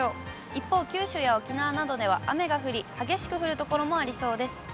一方、九州や沖縄などでは雨が降り、激しく降る所もありそうです。